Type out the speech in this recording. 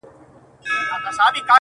o دي روح کي اغښل سوی دومره.